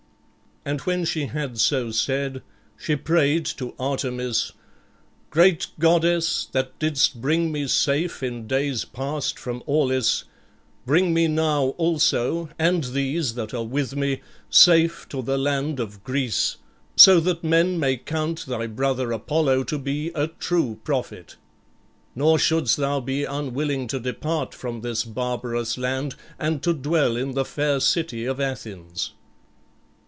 And when she had so said, she prayed to Artemis: "Great goddess, that didst bring me safe in days past from Aulis, bring me now also, and these that are with me, safe to the land of Greece, so that men may count thy brother Apollo to be a true prophet. Nor shouldst thou be unwilling to depart from this barbarous land and to dwell in the fair city of Athens."